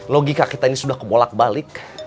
logika kita ini sudah kebolak balik